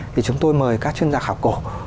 thì chúng tôi mời các chuyên gia khảo cổ